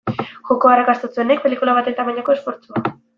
Joko arrakastatsuenek pelikula baten tamainako esfortzua.